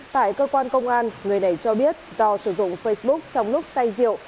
tại cơ quan công an người này cho biết do sử dụng facebook trong lúc say rượu